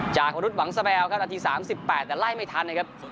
จากวรุษหวังสแมวครับนาที๓๘แต่ไล่ไม่ทันนะครับ